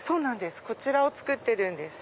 こちらを作ってるんです。